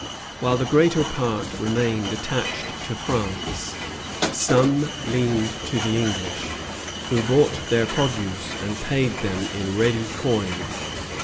While the greater part remained attached to France, some leaned to the English, who bought their produce and paid them in ready coin.